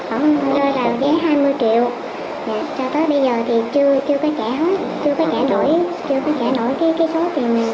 sau tới bây giờ thì chưa có trả hết chưa có trả nổi cái số tiền vốn